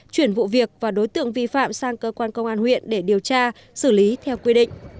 chuyển vụ việc và đối tượng vi phạm sang cơ quan công an huyện để điều tra xử lý theo quy định